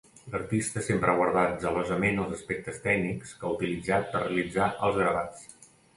L'artista sempre ha guardat zelosament els aspectes tècnics que ha utilitzat per realitzar els gravats.